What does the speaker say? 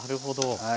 はい。